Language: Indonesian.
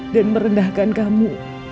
dan merendahkan kamu